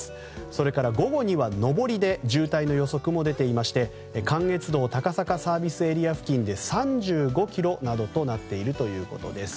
それから午後には上りで渋滞の予測も出ていまして関越道高坂ＳＡ付近で３５ｋｍなどとなっているようです。